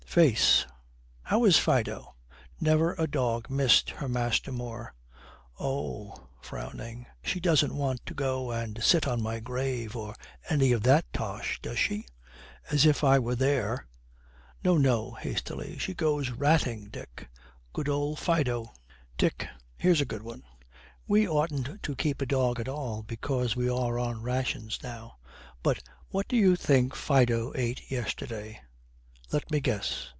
'Face. How is Fido?' 'Never a dog missed her master more.' 'Oh,' frowning. 'She doesn't want to go and sit on my grave, or any of that tosh, does she? As if I were there!' 'No, no,' hastily; 'she goes ratting, Dick.' 'Good old Fido!' 'Dick, here's a good one. We oughtn't to keep a dog at all because we are on rations now; but what do you think Fido ate yesterday?' 'Let me guess.